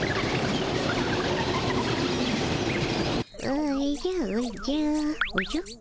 おじゃおじゃおじゃ？